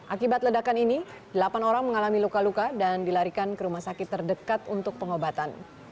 akibat ledakan ini delapan orang mengalami luka luka dan dilarikan ke rumah sakit terdekat untuk pengobatan